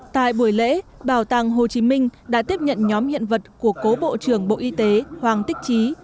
tại buổi lễ bảo tàng hồ chí minh đã tiếp nhận nhóm hiện vật của cố bộ trưởng bộ y tế hoàng tích trí